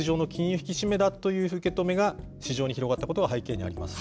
引き締めだという受け止めが市場に広がったことが背景にあります。